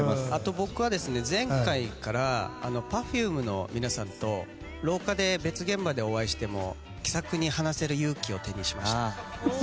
僕は前回からＰｅｒｆｕｍｅの皆さんと廊下で別現場でお会いしても気さくに話せる勇気を手にしました。